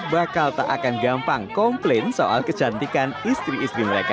bakal tak akan gampang komplain soal kecantikan istri istri mereka